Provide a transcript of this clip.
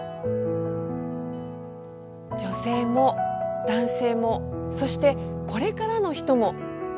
「女性も男性もそしてこれからの人も」。